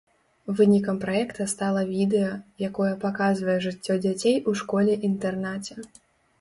Вынікам праекта стала відэа, якое паказвае жыццё дзяцей у школе-інтэрнаце.